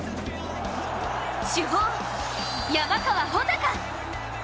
主砲・山川穂高！